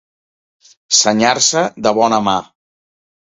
Senyar-se de bona mà.